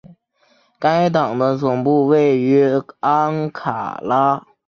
该党的总部位于安卡拉。